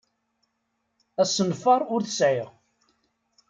Asenfaṛ ur t-sɛiɣ.